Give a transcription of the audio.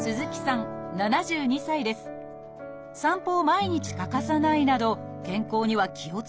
散歩を毎日欠かさないなど健康には気をつけて暮らしてきました。